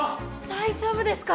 大丈夫ですか！？